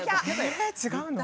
え違うの？